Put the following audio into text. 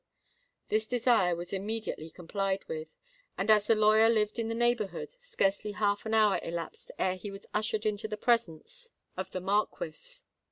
This desire was immediately complied with; and as the lawyer lived in the neighbourhood, scarcely half an hour elapsed ere he was ushered into the presence of the Marquis.